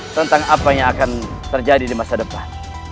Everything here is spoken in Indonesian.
tentang apa yang akan terjadi di masa depan